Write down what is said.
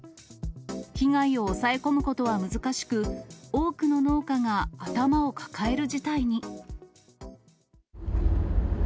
被害を抑え込むことは難しく、多くの農家が頭を抱える事態に。